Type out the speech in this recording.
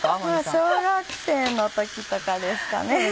小学生の時とかですかね。